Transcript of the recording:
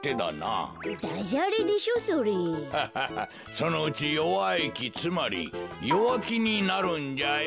そのうち弱い木つまり弱木になるんじゃよ。